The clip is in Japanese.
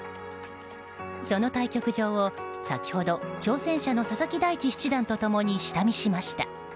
その対局場を先ほど挑戦者の佐々木大地七段と共に下見しました。